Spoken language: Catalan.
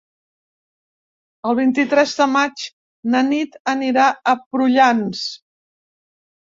El vint-i-tres de maig na Nit anirà a Prullans.